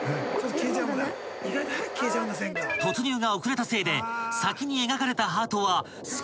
［突入が遅れたせいで先に描かれたハートは少し］